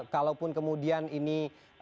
kalaupun kemudian ini